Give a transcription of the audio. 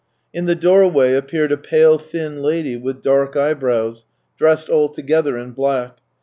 In the doorway appeared a pale, thin lady with dark eyebrows, dressed altogether in black.